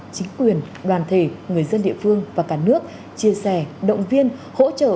chính quyền đoàn thể người dân địa phương và cả nước chia sẻ động viên hỗ trợ